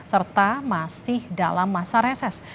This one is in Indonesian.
serta masih dalam masa reses